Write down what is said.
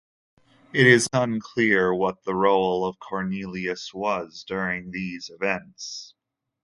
It is unclear what the role of Cornelius was during these events.